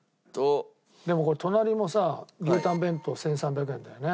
でもこれ隣もさ牛たん弁当１３００円だよね。